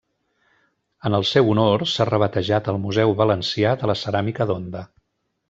En el seu honor s'ha rebatejat el museu valencià de la ceràmica d'Onda.